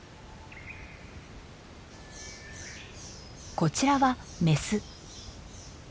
こちらはメス。